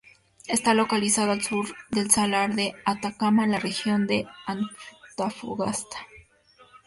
Está localizado al sur del Salar de Atacama, en la Región de Antofagasta.